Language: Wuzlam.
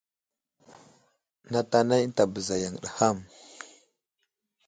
Nat anay ənta bəza yaŋ ham.